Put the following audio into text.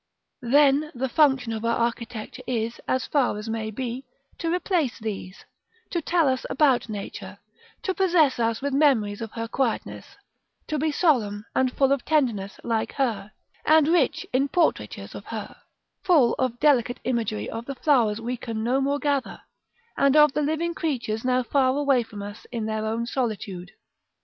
Then the function of our architecture is, as far as may be, to replace these; to tell us about nature; to possess us with memories of her quietness; to be solemn and full of tenderness, like her, and rich in portraitures of her; full of delicate imagery of the flowers we can no more gather, and of the living creatures now far away from us in their own solitude.